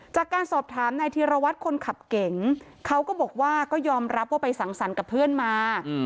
จากการสอบถามนายธีรวัตรคนขับเก๋งเขาก็บอกว่าก็ยอมรับว่าไปสังสรรค์กับเพื่อนมา